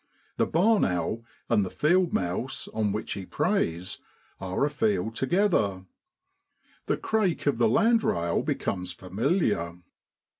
The barn owl and the field mouse, on which he preys, are afield together. The crake of the land rail becomes familiar.